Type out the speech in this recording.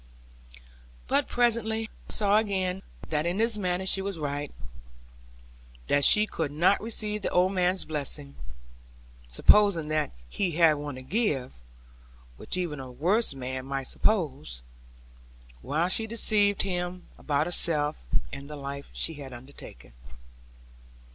But presently I saw again that in this matter she was right; that she could not receive the old man's blessing (supposing that he had one to give, which even a worse man might suppose), while she deceived him about herself, and the life she had undertaken.